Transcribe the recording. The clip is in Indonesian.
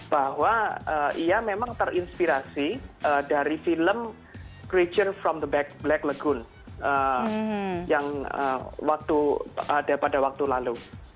bahwa ia memang terinspirasi dari film creature from the black legon yang ada pada waktu lalu